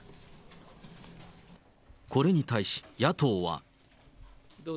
これに対し、野党は。